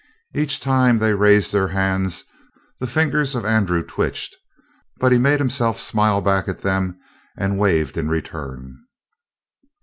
Each time they raised their hands the fingers of Andrew twitched, but he made himself smile back at them and waved in return.